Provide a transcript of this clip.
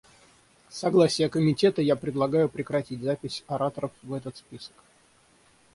С согласия Комитета, я предлагаю прекратить запись ораторов в этот список.